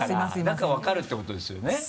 だから分かるってことですよね。